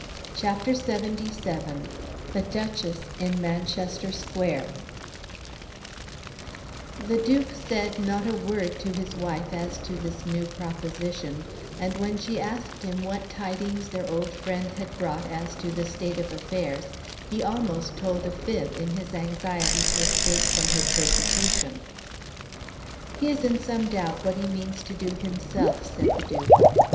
CHAPTER LXXVII The Duchess in Manchester Square The Duke said not a word to his wife as to this new proposition, and when she asked him what tidings their old friend had brought as to the state of affairs, he almost told a fib in his anxiety to escape from her persecution. "He is in some doubt what he means to do himself," said the Duke.